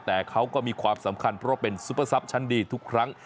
แต่เขาก็มีความสำคัญเพราะเป็นซุปเปอร์ซับชั้นดีทุกครั้ง